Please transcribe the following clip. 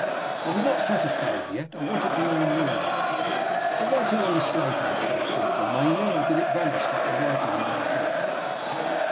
I was not satisfied yet; I wanted to know more. "The writing on the slate," I said. "Did it remain there, or did it vanish like the writing in my book?"